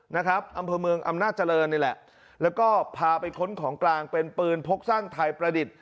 นะครับอำเภอเมืองอำนาจเจริญนี่แหละแล้วก็พาไปค้นของกลางเป็นปืนพกสั้นไทยประดิษฐ์